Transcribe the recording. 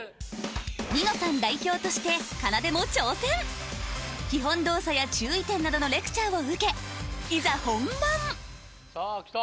『ニノさん』代表として基本動作や注意点などのレクチャーを受けさぁ来た。